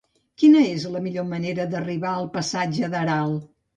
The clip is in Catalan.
Quina és la millor manera d'arribar al passatge d'Aral?